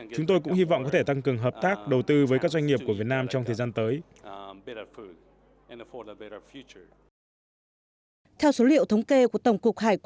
chúng tôi cũng hy vọng có thể tăng cường hợp tác đầu tư với các doanh nghiệp của việt nam trong thời gian tới